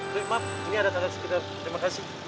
dek maaf ini ada tanda sekedar terima kasih